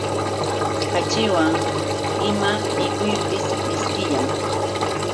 Kaćhiwan ima mikuypis mishkillam.